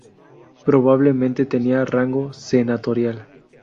Probablemente tenía rango senatorial.